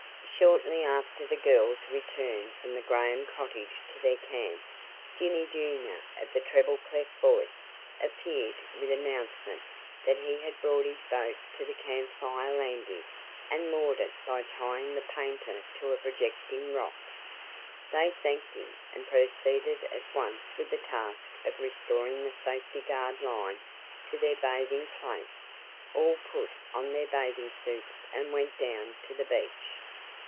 Shortly after the girls returned from the Graham cottage to their camp, "Jimmie Junior" of the "treble cleff voice" appeared with the announcement that he had brought his boat to the Camp Fire landing and moored it by tying the painter to a projecting rock. They thanked him and proceeded at once with the task of restoring the safety guard line to their bathing place. All put on their bathing suits and went down to the beach.